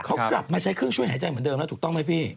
เขากลับมาใช้เครื่องช่วยหายใจเหมือนเดิมแล้วถูกต้องไหมพี่